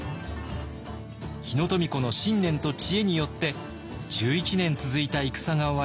日野富子の信念と知恵によって１１年続いた戦が終わり平和が戻ったのです。